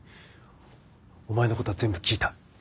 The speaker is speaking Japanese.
お前のことは全部聞いた。